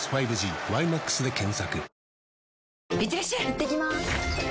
いってきます！